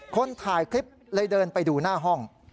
คนถ่ายคลิปเลยเดินไปดูหน้าห้อง